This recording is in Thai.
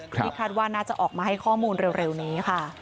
ที่คาดว่าน่าจะออกมาให้ข้อมูลเร็วนี้ค่ะ